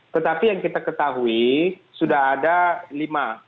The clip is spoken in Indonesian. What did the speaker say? tetapi yang kita ketahui sudah ada lima